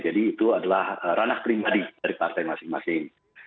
jadi itu adalah ranah primari dari partai masing masing